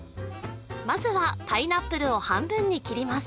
まずはパイナップルを半分に切ります